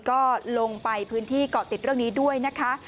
ก็ลงไปพื้นที่เกาะติดเรื่องนี้ด้วยนะคะ